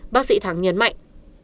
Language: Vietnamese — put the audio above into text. bác sĩ thắng nhấn mạnh